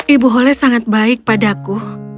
ibu hole sangat baik padaku